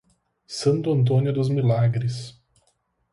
Santo Antônio dos Milagres